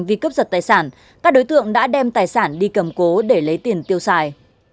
vì cướp giật tài sản các đối tượng đã đem tài sản đi cầm cố để lấy tiền tiêu xài